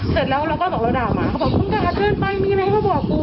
เสร็จแล้วเราก็บอกเราด่าหมาเขาบอกมึงด่าฉันไปมีอะไรให้เขาบอกกู